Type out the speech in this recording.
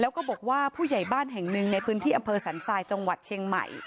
แล้วก็บอกว่าผู้ใหญ่บ้านแห่งหนึ่งในพื้นที่อำเภอสันทรายจังหวัดเชียงใหม่